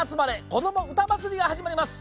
こどもうたまつり」がはじまります。